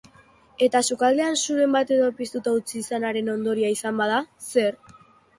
Eta sukaldean suren bat-edo piztuta utzi izanaren ondorio izan bada, zer?